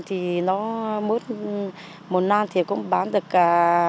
thì nó mỗi năm thì cũng bán được cả